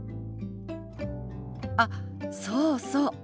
あっそうそう。